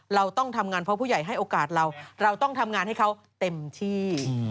เราต้องทำงานเพราะผู้ใหญ่ให้โอกาสเราเราต้องทำงานให้เขาเต็มที่